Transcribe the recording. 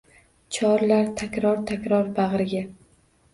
Chorlar takror-takror bagʼriga.